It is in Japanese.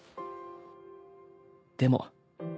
でも。